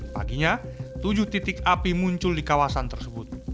paginya tujuh titik api muncul di kawasan tersebut